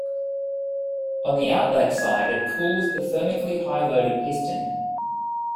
On the outlet side it cools the thermically high loaded piston.